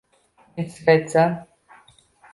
men sizga aytsam.